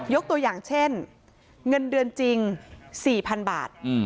ตัวอย่างเช่นเงินเดือนจริง๔๐๐๐บาท